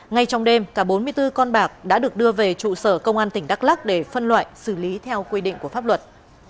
ngay trong đêm cả bốn mươi bốn con bạc đã được đưa về trụ sở công an tỉnh đắk lắc để phân loại xử lý theo quy định của pháp luật